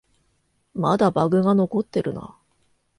まだバグが残ってるな